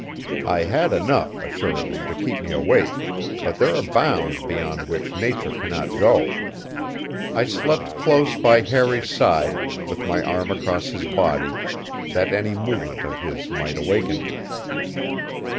I had enough, assuredly, to keep me awake, but there are bounds beyond which nature cannot go. I slept close by Harry's side, with my arm across his body, that any movement of his might awaken me.